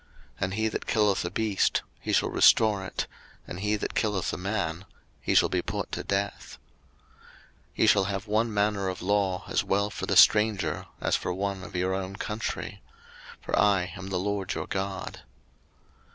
03:024:021 And he that killeth a beast, he shall restore it: and he that killeth a man, he shall be put to death. 03:024:022 Ye shall have one manner of law, as well for the stranger, as for one of your own country: for I am the LORD your God.